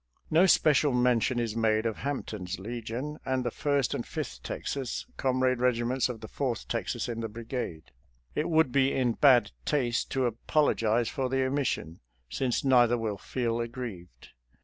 No special mention is made of Hampton's Legion, and the First and Fifth Texas, comrade regiments of the Fourth Texas in the brigade. It would be in bad taste to apologize for the omission, since neither will feel aggrieved.